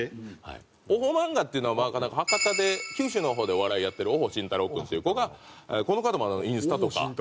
『おほまんが』っていうのは博多で九州の方でお笑いをやってるおほしんたろう君っていう子がこの方もインスタとか。